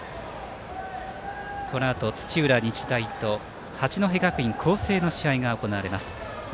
このあと土浦日大と八戸学院光星の試合が行われます。